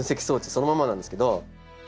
そのままなんですけど。